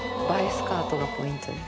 スカートがポイントです